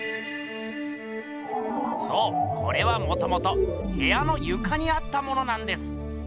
そうこれはもともとへやのゆかにあったものなんです。